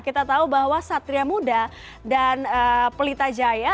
kita tahu bahwa satria muda dan pelita jaya